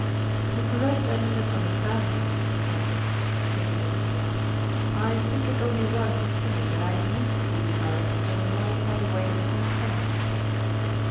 "To prevent any misunderstanding, Mr. Gadgett,'* continued Smith, "I think it only right to say that I used to be regarded as a light heavy weight of some promise."